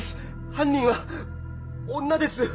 犯人は女です！